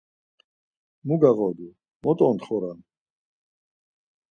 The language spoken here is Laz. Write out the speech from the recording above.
Mu gağodu, mo ontxoram?